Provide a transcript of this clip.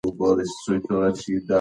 مور خپله لور په غېږ کې نیسي.